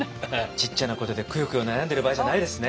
ちっちゃなことでくよくよ悩んでる場合じゃないですね。